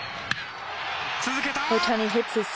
続けた。